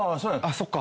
そっか。